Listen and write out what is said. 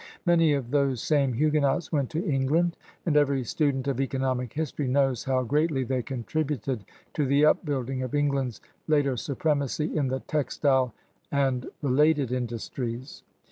Many of those same Huguenots went to England, and every student of economic history knows how greatly they contributed to the upbuilding of England's later supremaqy in the textile and related industries.